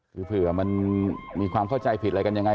คือเผื่อมันมีความเข้าใจผิดอะไรกันยังไง